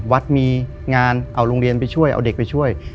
วัดมีงานเอาโรงเรียนไปช่วยเอาเด็กไปช่วย